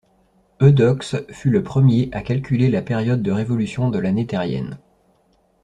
Eudoxe fut le premier à calculer la période de révolution de l'année terrienne.